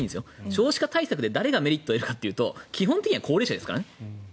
少子化対策で誰がメリットを得るかというと基本的には高齢者ですからね。